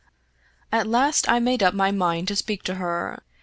At last I made up my mind to speak to her.